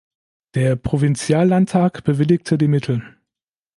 Der Provinziallandtag bewilligte die Mittel.